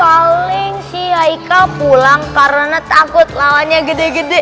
paling si aika pulang karena takut lawannya gede gede